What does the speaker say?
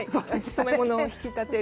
染め物を引き立てる。